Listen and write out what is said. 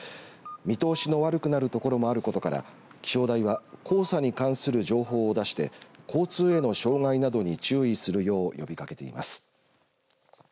見通しの悪くなる所もあることから気象台は黄砂に関する情報を出して交通への障害などに注意するよう呼びかけています。